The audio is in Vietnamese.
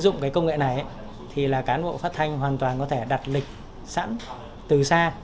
ứng dụng cái công nghệ này thì là cán bộ phát thanh hoàn toàn có thể đặt lịch sẵn từ xa